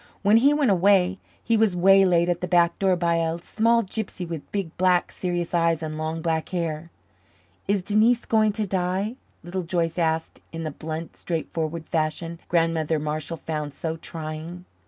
When he went away, he was waylaid at the back door by a small gypsy with big, black, serious eyes and long black hair. "Is Denise going to die?" Little Joyce asked in the blunt, straightforward fashion Grandmother Marshall found so trying.